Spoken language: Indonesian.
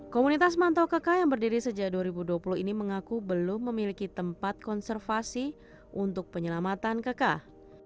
komunitas mantau keka yang berdiri sejak dua ribu dua puluh ini mengaku belum memiliki tempat konservasi untuk penyelamatan keka